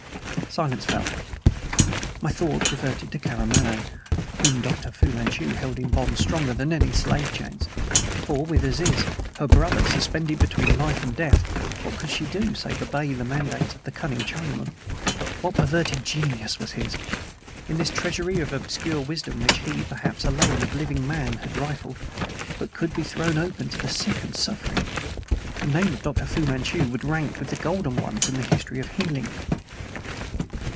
Silence fell. My thoughts reverted to Karamaneh, whom Dr. Fu Manchu held in bonds stronger than any slave chains. For, with Aziz, her brother, suspended between life and death, what could she do save obey the mandates of the cunning Chinaman? What perverted genius was his! If that treasury of obscure wisdom which he, perhaps alone of living men, had rifled, could but be thrown open to the sick and suffering, the name of Dr. Fu Manchu would rank with the golden ones in the history of healing.